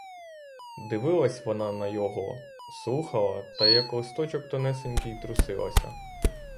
Дивилась вона на його, слухала та, як листочок тонесенький, трусилася.